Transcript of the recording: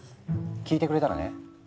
聞いてくれたらね。